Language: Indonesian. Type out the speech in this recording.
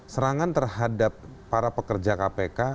serangan terhadap para pekerja kpk